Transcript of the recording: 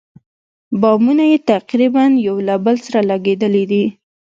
بامونه یې تقریباً یو له بل سره لګېدلي دي.